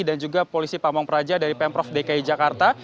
dan juga polisi pamong praja dari pemprov dki jakarta